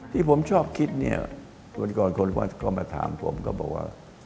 ที่ผมชอบคิดวันก่อนคนมาถามผมก็บอกว่า